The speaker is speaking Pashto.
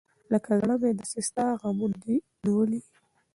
لکه زړه مې داسې ستا غمونه دى نیولي .